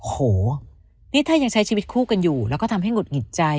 โหนี่ถ้ายังใช้ชีวิตคู่กันอยู่แล้วก็ทำให้หุดหงิดใจ